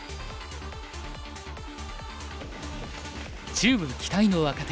中部期待の若手